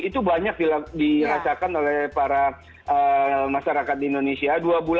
itu banyak dirasakan oleh para masyarakat di indonesia